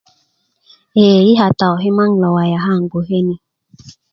ye yi kata ko kimaŋ lo waya kaŋ i bgoke ni